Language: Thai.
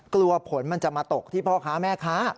กลัวผลมันจะมาตกที่พ่อค้าแม่ค้า